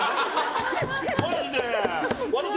マジで。